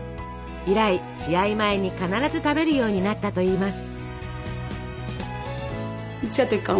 以来試合前に必ず食べるようになったといいます。